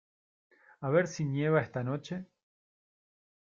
A ver si nieva esta noche.